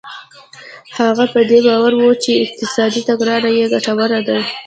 هغه په دې باور و چې اقتصادي تګلاره یې ګټوره ده.